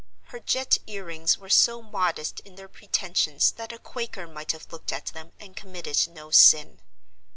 Her jet earrings were so modest in their pretensions that a Quaker might have looked at them and committed no sin.